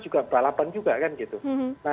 juga balapan juga kan